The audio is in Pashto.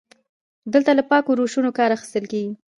دلته له پاکو روشونو کار اخیستل کیږي.